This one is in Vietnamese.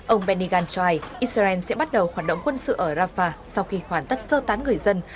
ông benny gantz cho hay israel sẽ bắt đầu hoạt động quân sự ở rafah sau khi hoàn tất sơ tán người dân